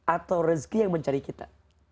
atau rezeki yang mencari kita